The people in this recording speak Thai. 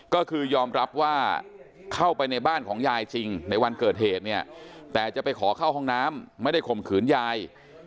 ก็คือยอมรับว่าเข้าไปในบ้านของยายจริงในวันเกิดเหตุเนี่ยแต่จะไปขอเข้าห้องน้ำไม่ได้ข่มขืนยาย